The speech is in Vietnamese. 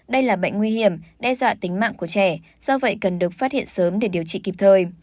đây là bệnh nguy hiểm đe dọa tính mạng của trẻ do vậy cần được phát hiện sớm để điều trị kịp thời